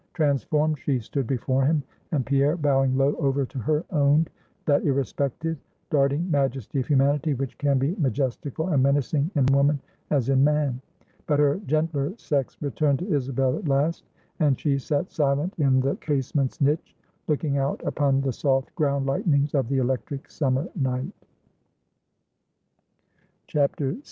Transformed she stood before him; and Pierre, bowing low over to her, owned that irrespective, darting majesty of humanity, which can be majestical and menacing in woman as in man. But her gentler sex returned to Isabel at last; and she sat silent in the casement's niche, looking out upon the soft ground lightnings of the electric summer night. VI.